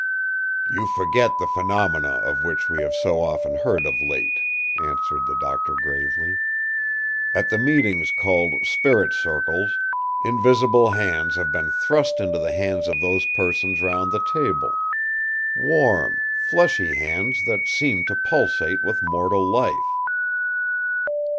” “You forget the phenomena of which we have so often heard of late,” answered the doctor gravely. “At the meetings called ‘spirit circles,’ invisible hands have been thrust into the hands of those persons round the table—warm, fleshly hands that seemed to pulsate with mortal life.